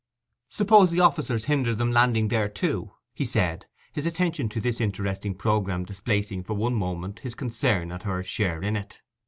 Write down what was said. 'Suppose the officers hinder them landing there too?' he said, his attention to this interesting programme displacing for a moment his concern at her share in it.